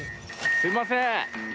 すいません！